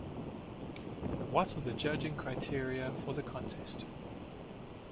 What are the judging criteria for the contest?